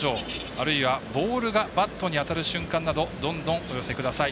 あるいは、ボールがバットに当たる瞬間などどんどんお寄せください。